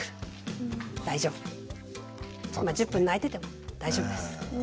そんな１０分泣いてても大丈夫です。